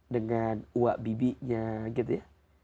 dengan uak bibinya gitu ya